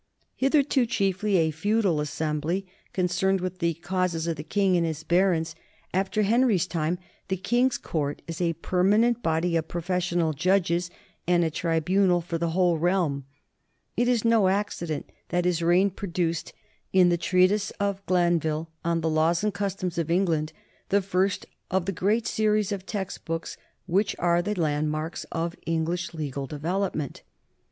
Hitherto chiefly a feudal assembly concerned with the causes of the king and his barons, after Henry's time the king's court is a permanent body of profes sional judges and a tribunal for the whole realm. It is no accident that his reign produced in the treatise of Glan vill on The Laws and Customs of England the first of the great series of textbooks which are the landmarks of English legal development.